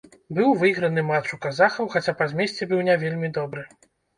Быў выйграны матч у казахаў, хаця па змесце быў не вельмі добры.